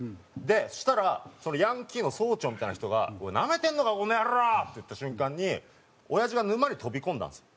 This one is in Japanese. そしたらそのヤンキーの総長みたいな人が「なめてんのかこのやろう！」って言った瞬間におやじは沼に飛び込んだんですよ。